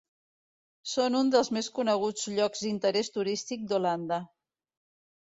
Són un dels més coneguts llocs d'interès turístic d'Holanda.